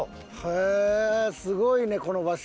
へえすごいねこの場所。